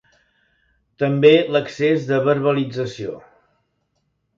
També l’excés de verbalització.